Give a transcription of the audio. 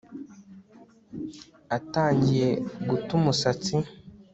Atangiye guta umusatsi